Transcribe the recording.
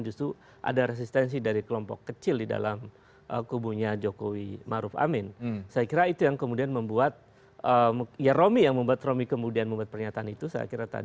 jadi singkatnya mas guntur gimana